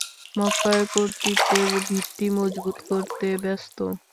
মক্কায় কর্তৃত্বের ভিত্তি মজবুত করতে ব্যস্ত।